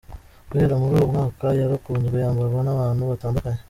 Guhera muri uwo mwaka yarakunzwe yambarwa n’abantu batandukanye.